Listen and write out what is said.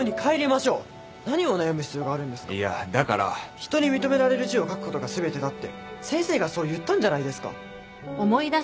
人に認められる字を書くことが全てだって先生がそう言ったんじゃないですか。